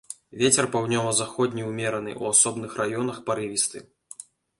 Вецер паўднёва-заходні ўмераны, у асобных раёнах парывісты.